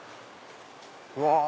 うわ